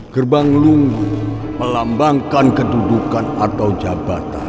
gerbang lungguh melambangkan ketudukan atau jabatan